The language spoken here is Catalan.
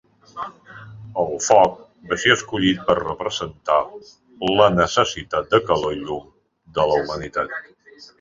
El foc va ser escollit per representar la necessitat de calor i llum de la humanitat.